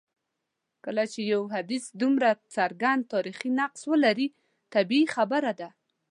کله چي یو حدیث دومره څرګند تاریخي نقص ولري طبیعي خبره ده.